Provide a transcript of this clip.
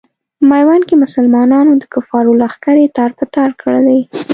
په میوند کې مسلمانانو د کفارو لښکرې تار په تار کړلې.